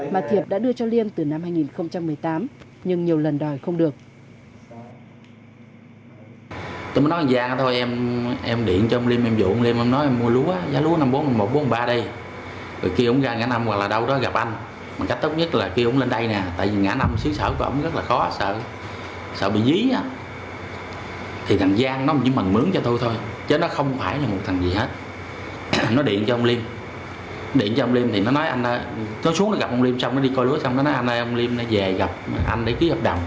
mà thiệp đã đưa cho liêm từ năm hai nghìn một mươi tám nhưng nhiều lần đòi không được